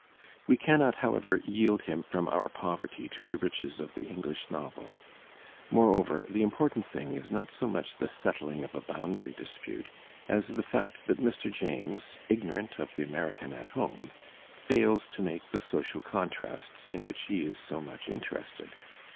We cannot, however, yield him from our poverty to the riches of the English novel. Moreover, the important thing is not so much the settling of a boundary dispute as the fact that Mr. James, ignorant of the American at home, fails to make the social contrasts in which he is so much inter ested.